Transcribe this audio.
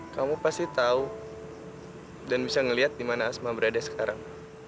kamu pasti tahu dan bisa ngelihat dimana asma berada sekarang